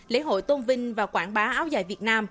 lễ hội tôn vinh và quảng bá áo dài việt nam